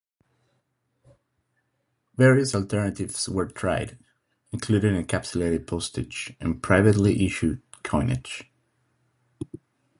Various alternatives were tried, including encapsulated postage and privately issued coinage.